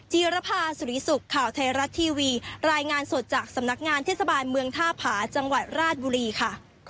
จีรภาสุริสุขข่าวไทยรัฐทีวีรายงานสดจากสำนักงานเทศบาลเมืองท่าผาจังหวัดราชบุรีค่ะ